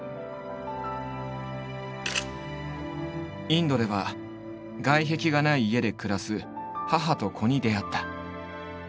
インドでは外壁がない家で暮らす母と子に出会った。